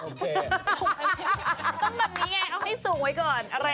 ต้องแบบนี้ไงเอาให้สวยก่อน